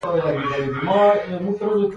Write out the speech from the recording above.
کېله د پخې مېوې ښه نمونه ده.